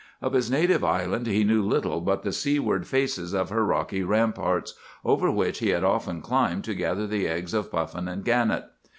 "Of his native island he knew little but the seaward faces of her rocky ramparts, over which he had often climbed to gather the eggs of puffin and gannet.